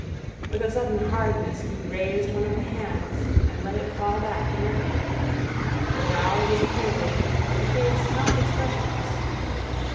With a sudden hardness, he raised one of the hands and let it fall back inertly. The brow was cold but the face not expressionless.